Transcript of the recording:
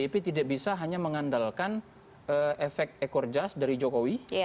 karena pdip tidak bisa hanya mengandalkan efek ekor jas dari jokowi